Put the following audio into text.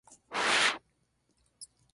Los planes salen mal para Octavio y los suyos